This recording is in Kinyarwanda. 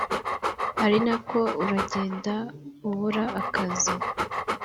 arinako uragenda ubura akazi